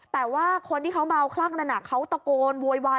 แต่ว่าคนที่เขาเมาคลั่งนั้นเขาตะโกนโวยวาย